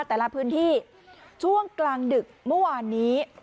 แต่ละพื้นที่ช่วงกลางดึกเมื่อวานนี้